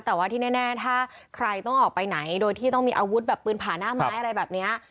แต่ว่าที่แน่ถ้าใครต้องออกไปไหนโดยที่ต้องมีอาวุธแบบปืนผ่าหน้าไม้อะไรแบบนี้